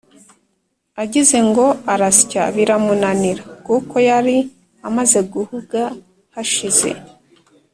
Agize ngo arasya biramunanira, kuko yari amaze guhuga hashize